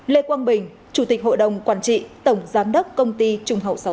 lê quang bình chủ tịch hội đồng quản trị tổng giám đốc công ty trung hậu sáu mươi tám